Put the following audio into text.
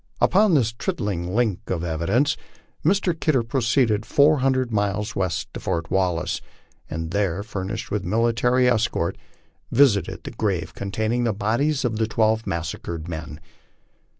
Upon this trifling link of evidence Mr. Kidder proceeded four hundred miles west to Fort Wallace, and there being furnished with military escort visited the grave containing the bodies of the twelve massacred men.